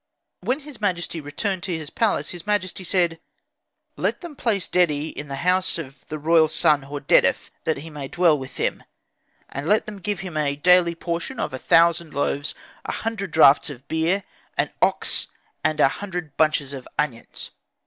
When his majesty returned to his palace, his majesty said, "Let them place Dedi in the house of the royal son Hordedef, that he may dwell with him, and let them give him a daily portion of a thousand loaves, a hundred draughts of beer, an ox, and a hundred bunches of onions."